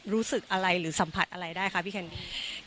รู้สึกอะไรหรือสัมผัสอะไรได้คะพี่แคนดี้